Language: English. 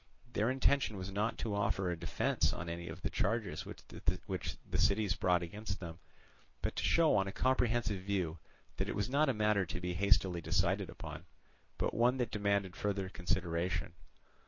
Their intention was not to offer a defence on any of the charges which the cities brought against them, but to show on a comprehensive view that it was not a matter to be hastily decided on, but one that demanded further consideration.